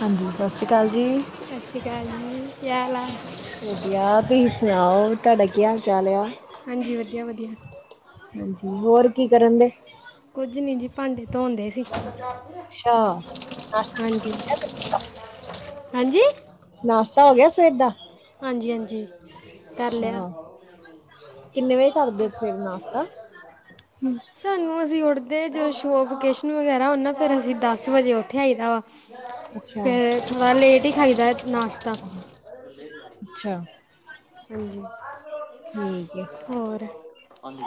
ਹਾਂਜੀ ਸਤਿ ਸ਼੍ਰੀ ਅਕਾਲ ਜੀ ਸਤਿ ਸ੍ਰੀ ਅਕਾਲ ਜੀ। ਕੀ ਹਾਲ ਆ? ਵਧੀਆ। ਤੁਸੀਂ ਸੁਣਾਓ, ਤੁਹਾਡਾ ਕੀ ਹਾਲ ਚਾਲ ਆ? ਹਾਂਜੀ, ਵਧੀਆ- ਵਧੀਆ। ਹੋਰ, ਕੀ ਕਰਨ ਰਹੇ? ਕੁੱਝ ਨਹੀਂ ਜੀ, ਭਾਂਡੇ ਧੋਂਦੇ ਰਹੇ ਸੀ। ਅੱਛਾ। ਹਾਂਜੀ ਹੋ ਗਿਆ ਹਾਂਜੀ। ਨਾਸ਼ਤਾ ਹੋ ਗਿਆ, ਸਵੇਰ ਦਾ। ਹਾਂਜੀ- ਹਾਂਜੀ। ਕਰ ਲਿਆ ਅੱਛਾ। ਕਿੰਨੇ ਵਜੇ ਕਰਦੇ ਹੋ, ਸਵੇਰੇ ਨਾਸ਼ਤਾ। ਸਾਨੂੰ ਅਸੀਂ ਉੱਡਦੇ, ਜਦੋਂ ਸ਼ੋਅਪ ਵੋਕੇਸ਼ਨ ਵਗੈਰਾ ਹੁੰਦਾ, ਫਿਰ ਅਸੀਂ ਦਸ ਵਜੇ ਉੱਥੇ ਆਈਦਾ ਵਾ। ਅੱਛਾ ਫੇਰ ਨਾ, ਲੇਟ ਹੀ ਖਾਈਦਾ ਨਾਸ਼ਤਾ। ਅੱਛਾ। ਹਾਂਜੀ ਠੀਕ ਹੈ। ਹੋਰ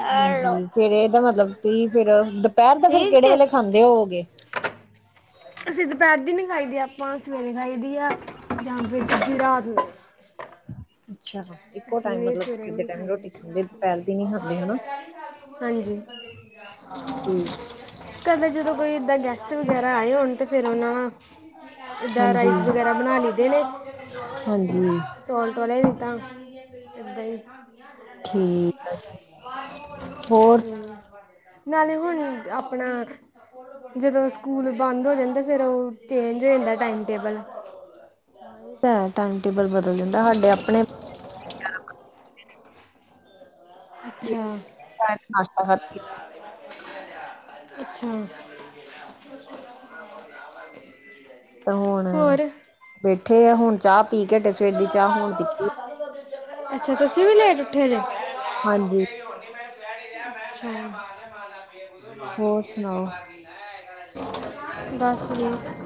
ਹੈਲੋ। ਫੇਰ ਇਹਦਾ ਮਤਲਬ, ਤੁਸੀਂ ਫੇਰ ਦੁਪਹਿਰ ਦਾ, ਫਿਰ ਕਿਹੜੇ ਵੇਲੇ ਖਾਂਦੇ ਹੋਵਗੇ? [inaudible] ਅਸੀਂ ਦੁਪਹਿਰ ਦੀ ਨੀ ਖਾਈ ਦੀ ਆ, ਆਪਾਂ ਸਵੇਰੇ ਖਾਈ ਦੀ ਆ, ਜਾਂ ਫਿਰ ਸਿਧੀ ਰਾਤ ਨੂੰ। ਅੱਛਾ। ਇੱਕੋ ਅਸੀਂ ਟਾਈਮ, ਨਹੀਂ ਮਤਲਬ ਸਵੇਰੇ ਸਵੇਰ ਦੇ ਨਹੀਂ ਟਾਈਮ ਰੋਟੀ ਖਾਂਦੇ। ਦੁਪਹਿਰ ਦੀ ਨਹੀਂ ਖਾਂਦੇ ਹਨਾ। ਹਾਂਜੀ। ਠੀਕ, ਕਦੇ ਜਦੋਂ ਕੋਈ ਇੱਦਾਂ, ਗੈਸ਼ਟ ਵਗੈਰਾ ਆਏ ਹੋਣ, ਤਾਂ ਫਿਰ ਉਨ੍ਹਾਂ। ਉਹਦਾਂ ਹਾਂਜੀ ਰਾਈਸ ਵਗੈਰਾ ਬਣਾ ਲਈੈਂਦੇ ਨੇ, ਹਾਂਜੀ ਸੌਂਲਟ ਵਾਲਿਆਂ ਜਾਂਦਾ। ਇੱਦਾ ਹੀ। ਠੀਕ ਹੈ ਜੀ। ਹੋਰ? ਹਮ। ਨਾਲੇ ਹੁਣ, ਆਪਣਾਂ। ਜਦੋਂ ਸਕੂਲ ਬੰਦ ਹੋ ਜਾਂਦੇਆ, ਤੇ ਫਿਰ ਉਹ ਚੇਂਜ ਹੋ ਜਾਂਦਾ ਹੈ, ਟਾਈਮ ਟੇਬਲ। ਇਹ ਤਾਂ ਹੈਂ, ਟਾਈਮ ਟੇਬਲ ਬਦਲ ਦਿੰਦਾ ਹੈ, ਸਾਡੇ ਆਪਣੇ ਸ਼ਾਇਦ ਨਾਸ਼ਤਾ ਖਾ ਕੇ ਅੱਛਾ। [unintelligible] ਤੇ ਹੁਣ ਹੋਰ ਬੈਠੇ ਆ, ਹੁਣ ਚਾਹ ਪੀ ਕੇ ਹਟੇ, ਸਵੇਰ ਦੀ ਚਾਹ ਹੁਣ ਪੀਤੀ। ਅੱਛਾ, ਤੂਸੀ ਵੀ ਲੇਟ ਉਠੇ ਹੋ? ਹਾਂਜੀ। [unintelligible] ਹੋਰ ਸੁਣਾਓ ਹਮ, [unintelligible]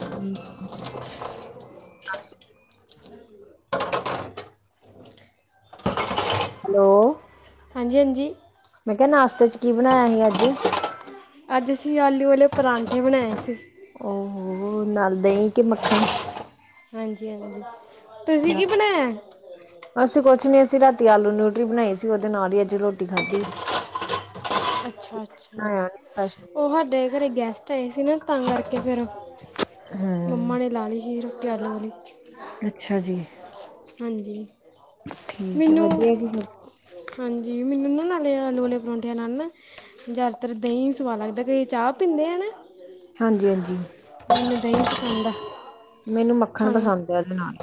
[inaudible] [unintelligible] ਹੈਲੋ। ਹਾਂਜੀ, ਹਾਂਜੀ। ਮੈਂ ਕੇਆ ਨਾਸ਼ਤੇ ਚ, ਕੀ ਬਣਾਏਆ ਸੀ ਆਜ? ਆਜ, ਅਸੀ ਆਲੂ ਵਾਲੇ ਪਰਾਂਠੇ ਬਣਾਏ ਸੀ। ਓ ਹੋ ਨਾਲ ਦਹੀਂ ਕੇ ਮੱਖਣ? ਹਾਂਜੀ, ਹਾਂਜੀ ਤੂਸੀ ਕੀ ਬਣਾਏਆ? ਅਸੀ ਕੁੱਛ ਨੀ, ਅਸੀ ਰਾਤੀ, ਆਲੂ ਨਿਊਟਰੀ ਬਨਾਈ ਸੀ, ਓਦੇ ਨਾਲ ਈ ਰੋਟੀ ਖਾਧੀ, ਕੂਛ ਅੱਛਾ ਅੱਛਾ ਬਨਾਏਆ ਨੀ ਸਪੈਮ਼ਲ। ਉਹ ਸਾਡੇ ਘਰੇ ਗੈਸਟ ਆਏ ਸੀ ਨਾ ਤਾ ਕਾਰਕੇ ਫੇਰ, ਹਮ ਮੰਮਾ ਨੇ ਲਾ ਲੀ ਸੀ ਰੋਟੀ ਆਲੂ ਵਾਲੀ। ਅੱਛਾ ਜੀ। ਹਾਂਜੀ, ਠੀਕ ਹੈ ਮੀਨੂੰ ਵਧੀਆ ਜੀ ਹਾਂਜੀ, ਮੀਨੂੰ ਨਾ ਨਾਲੇ ਆਲੂ ਵਾਲੇ ਪਰੌਂਠੇਂਆ ਨਾਲ ਨਾ ਜਾਦਾਤਰ ਦਹੀਂ ਸਵਾਦ ਲਾਗਦਾ, ਕਈਂ ਚਾਹ ਪੀਂਦੇ ਐ ਨਾ ਹਾਂਜੀ ਹਾਂਜੀ ਮੈਨੂੰ ਦਹੀਂ ਪਸੰਦ ਆ। ਮੈਨੂੰ ਮੱਖਣ ਖਾਣਾ ਪਸੰਦ ਐ ਐਦੇ ਨਾਲ।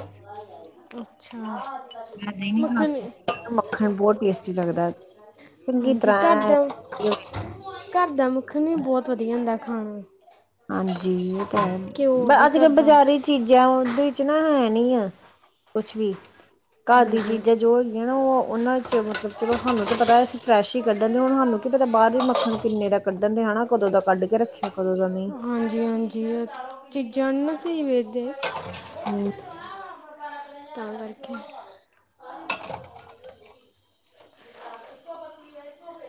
ਅੱਛਾ, ਮੈਂ ਦਹੀਂ ਨਹੀਂ ਖਾ ਮੱਖਣ ਸਕਦੀ। ਮੱਖਣ ਬੋਤ ਟੇਸਟੀ ਲੱਗਦੈ, ਚੰਗੀ ਤਰਾਂ ਐਂ ਘਾਰ ਦਾ ਮੱਖਣ ਵੀ ਬੋਤ ਵਦੀਆ ਹੁੰਦਾ ਖਾਣ ਨੂੰ। ਹਾਂਜੀ, ਏ ਤਾਂ ਹੈ, ਬ ਵੀ ਆਜ ਘਰ ਕਾਲ ਦਾ ਬਜਾਰੀ ਚੀਜੈਂ ਓਂਦੇ ਵਿਚ ਨਾ ਹੈ ਨੀ ਐ, ਕੁਛ ਵੀ। ਘਾਰ ਦੀ ਹਾਂਜੀ ਚੀਜ਼ਾਂ ਜੋ ਹੈਗੀਆਂ ਨਾ, ਓ ਓਹਨਾਂ 'ਚ ਮਤਲਬ ਚਲੋ ਸਾਨੂੰ ਤੇ ਪਤਾ ਐ ਫਰੈਸ਼ ਹੀ ਕੱਡਨ ਦੇ, ਹੁਣ ਸਾਨੂੰ ਕੀ ਪਤਾ ਬਾਹਰ ਵੀ ਮੱਖਣ ਕਿੰਨੇ ਦਾ ਕੱਡਣ ਦੇ ਹਨਾ, ਕਦੋਂ ਦਾ ਕਾੱਡ ਕੇ ਰੱਖੇਆ, ਕਦੋਂ ਦਾ ਨਹੀਂ? ਹਾਂਜੀ, ਹਾਂਜੀ ਚੀਜ਼ਾਂ ਨੀ ਨਾ ਸਈ ਵੇਂਚਦੇ ਹੂੰ। [unintelligible] ਤਾਂ ਕਰਕੇ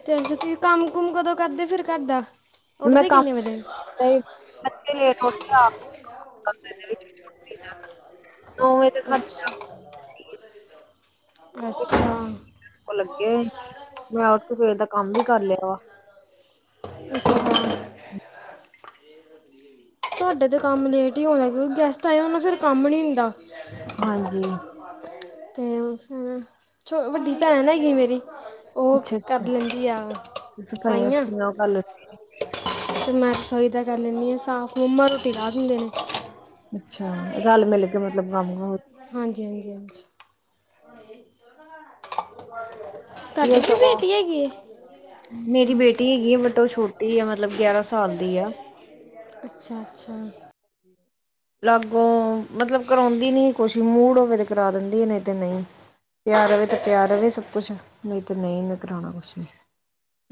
ਤੇ ਹੋਨ ਤੂਸੀ ਕਾੰਮ ਕੁਮ ਕਦੋਂ ਕਰਦੇ ਫਿਰ ਘਾਰਦਾ, ਮੈਂ ਉਠਦੇ ਕੰਮ ਕਿੰਨੇ ਵਜੇ? [unintelligible] [unintelligible] ਨੋਂ ਵਜੇ ਤੱਕ ਅੱਛਾ ਖਾਧੀ ਅੱਛਾ। ਓ ਲੱਗੇ ਹੋਏ, ਮੈਂ ਓਠ ਕੇ ਸਵੇਰ ਦਾ ਕਾੰਮ ਵੀ ਕਾਰ ਲੇਆ ਵਾ। [unintelligible] ਤੂਆਡੇ ਤੇ ਕਾੰਮ ਲੇਟ ਹੀ ਹੋਏਆ, ਕਿਉਂਕਿ ਗੈਸਟ ਆਏ ਹੋਨ ਫੇਰ ਕਾੰਮ ਨੀ ਹੁੰਦਾ। ਹਾਂਜੀ ਤੇ ਵੱਡੀ ਭੈਣ ਹੈਗੀ ਮੇਰੀ ਓ ਅੱਛਾ ਕਾਰ ਅੱਛਾ ਲੈਂਦੀ ਆ ਸਫਾਈਆਂ ਸਫੂਈਆਂ ਕਰ ਲ ਤੇ ਮੈਂ ਰਸੋਈ ਦਾ ਕਾਰ ਲੈਂਨੀ ਆਂ ਸਾਫ਼, ਮੰਮਾ ਰੋਟੀ ਲਾਹ ਦੇਂਦੇ ਨੇ। ਅੱਛਾ, ਰਾਲ ਮਿਲ ਕੇ ਮਤਲਬ ਕਾੰਮ ਹੋ ਹਾਂਜੀ, ਹਾਂਜੀ, ਹਾਂਜੀ। ਤੂਆਡੀ ਵਧੀਆ ਵੀ ਸਗੋਂ ਬੇਟੀ ਹੈਗੀ ਏ? ਮੇਰੀ ਬੇਟੀ ਹੈਗੀ ਆ ਬਟ ਓ ਛੋਟੀ ਆ, ਮਤਲਬ ਗੇਆਰਾਂ ਸਾਲ ਦੀ ਆ। ਅੱਛਾ, ਅੱਛਾ। ਲਾਗੋਂ ਮਤਲਬ ਕਰੌਂਦੀ ਨੀ ਕੁਛ, ਮੂਡ ਹੋਵੇ ਤੇ ਕਰਾ ਦੇਂਦੀ, ਨਈ ਤੇ ਨਈ। ਪੇਆਰ ਰਵੇ ਤੇ ਪੇਆਰ ਰਵੇ ਸਬ ਕੁਛ, ਨਈ ਤੇ ਨਈ, ਉਨੇ ਕਰਾਣਾ ਕੁੱਛ ਵੀ।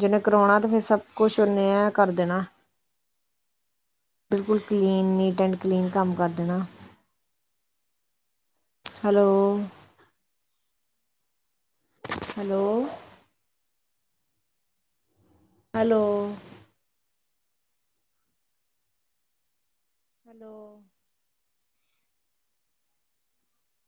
ਜਿਨੇ ਕਰਾਉਣਾ, ਤੇ ਫਿਰ ਸਭ ਕੁਛ ਓਨੇ ਐ ਕਰ ਦੇਣਾ। ਬਿਲਕਲ ਕਲੀਨ ਨੀਟ ਐਂਡ ਕਲੀਨ ਕੰਮ ਕਰ ਦੇਣਾ। Hello hello hello hello